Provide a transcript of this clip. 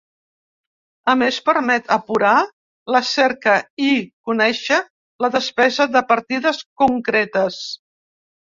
A més, permet apurar la cerca i conèixer la despesa de partides concretes.